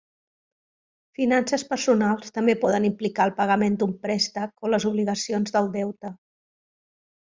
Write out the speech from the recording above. Finances personals també poden implicar el pagament d'un préstec, o les obligacions del deute.